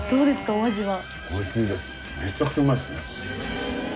お味は。